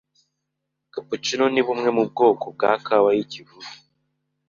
capuccino ni bumwe mu bwoko bwa “kawa y’ikivuge”